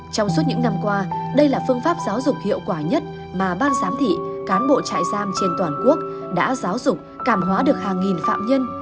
trong suốt những năm qua đây là phương pháp giáo dục hiệu quả nhất mà ban giám thị cán bộ trại giam trên toàn quốc đã giáo dục cảm hóa được hàng nghìn phạm nhân